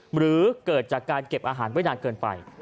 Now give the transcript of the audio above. หรือเกิดจากการเก็บอาหารไว้นานเกินไป